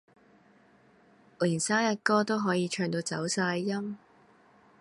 連生日歌都可以唱到走晒音